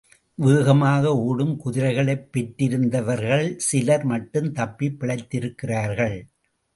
வேகமாக ஓடும் குதிரைகளைப் பெற்றிருந்தவர்கள் சிலர் மட்டும் தப்பிப் பிழைத்திருக்கிறார்கள்.